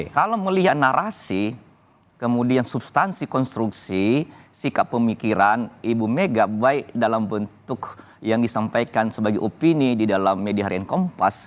kalau melihat narasi kemudian substansi konstruksi sikap pemikiran ibu mega baik dalam bentuk yang disampaikan sebagai opini di dalam media harian kompas